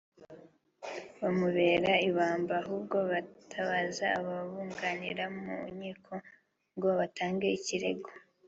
bamubera ibamba ahubwo bitabaza ababunganira mu nkiko ngo batange ikirego